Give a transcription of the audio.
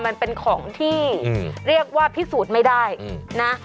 มันเป็นของที่เรียกว่าพิสูจน์ไม่ได้นะ